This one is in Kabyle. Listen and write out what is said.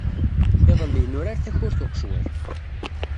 Iḍelli, nurar takurt n uqecwal.